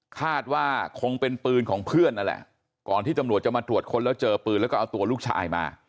คาดว่าคงเป็นปืนของเพื่อนนั่นแหละก่อนที่ตำรวจจะมาตรวจค้นแล้วเจอปืนแล้วก็เอาตัวลูกชายมา